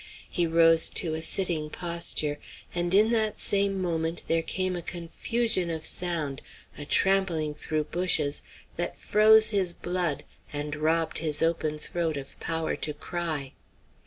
He rose to a sitting posture; and in that same moment there came a confusion of sound a trampling through bushes that froze his blood, and robbed his open throat of power to cry.